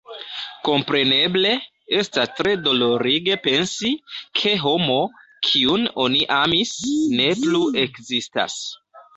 Kompreneble, estas tre dolorige pensi, ke homo, kiun oni amis, ne plu ekzistas.